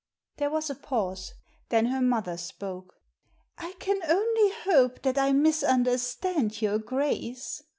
There was a pause. Then her mother spoke. "I can only hope that I misunderstand your Grace."